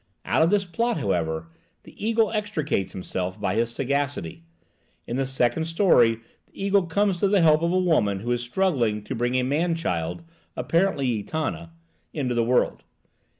Out of this plot, however, the eagle extricates himself by his sagacity. In the second story the eagle comes to the help of a woman who is struggling to bring a man child (apparently Etana) into the world.